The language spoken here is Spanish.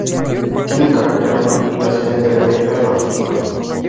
Tiene carácter anual y la sede del evento es rotativa.